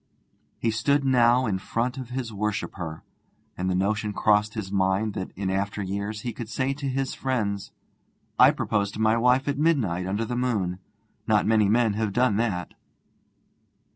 He stood now in front of his worshipper, and the notion crossed his mind that in after years he could say to his friends: 'I proposed to my wife at midnight under the moon. Not many men have done that.'